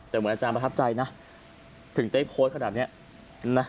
แต่เหมือนอาจารย์ประทับใจนะถึงได้โพสต์ขนาดนี้นะ